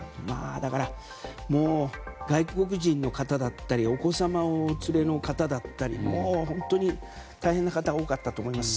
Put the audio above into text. だから、外国人の方だったりお子様をお連れの方だったりはもう本当に大変な方が多かったと思います。